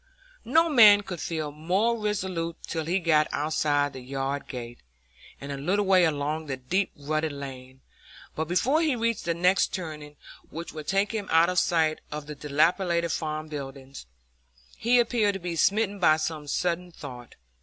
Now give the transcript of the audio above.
No man could feel more resolute till he got outside the yard gate, and a little way along the deep rutted lane; but before he reached the next turning, which would take him out of sight of the dilapidated farm buildings, he appeared to be smitten by some sudden thought.